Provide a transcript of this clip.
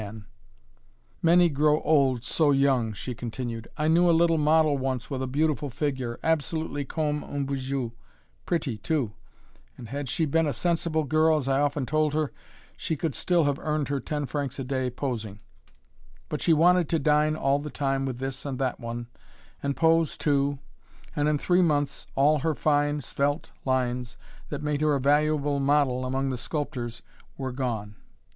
[Illustration: A. MICHELENA] "Many grow old so young," she continued; "I knew a little model once with a beautiful figure, absolutely comme un bijou pretty, too, and had she been a sensible girl, as I often told her, she could still have earned her ten francs a day posing; but she wanted to dine all the time with this and that one, and pose too, and in three months all her fine 'svelte' lines that made her a valuable model among the sculptors were gone.